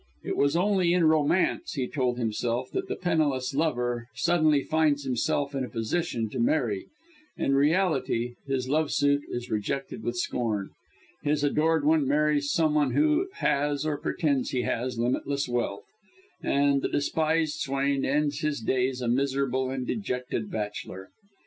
It was only in romance, he told himself, that the penniless lover suddenly finds himself in a position to marry in reality, his love suit is rejected with scorn; his adored one marries some one who has, or pretends he has, limitless wealth; and the despised swain ends his days a miserable and dejected bachelor.